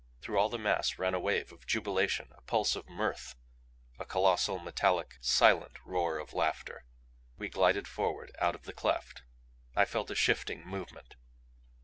Through all the mass ran a wave of jubilation, a pulse of mirth a colossal, metallic SILENT roar of laughter. We glided forward out of the cleft. I felt a shifting movement.